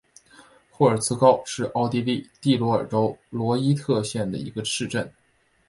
霍尔茨高是奥地利蒂罗尔州罗伊特县的一个市镇。